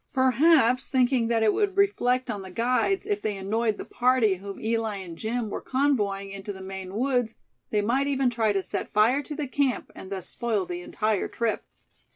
Perhaps, thinking that it would reflect on the guides if they annoyed the party whom Eli and Jim were convoying into the Maine woods, they might even try to set fire to the camp, and thus spoil the entire trip.